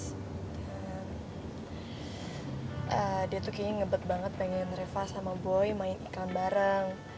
dan dia tuh kayaknya ngebet banget pengen reva sama boy main iklan bareng